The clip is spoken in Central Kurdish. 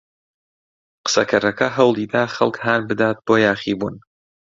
قسەکەرەکە هەوڵی دا خەڵک هان بدات بۆ یاخیبوون.